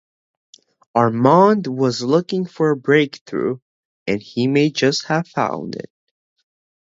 Armand was looking for a breakthrough, and he may have just found it.